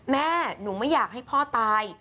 แม่หนูไม่อยากให้พ่อตาย